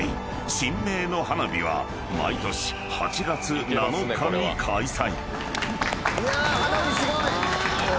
［神明の花火は毎年８月７日に開催］